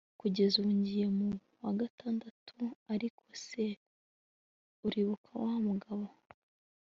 kugez ubu ngiye mu wagatandatuAriko se uribuka wa mugabo